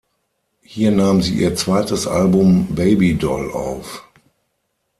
Hier nahm sie ihr zweites Album "Baby Doll" auf.